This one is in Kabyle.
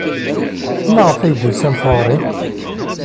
Maɣef ay d-tusamt ɣer-i?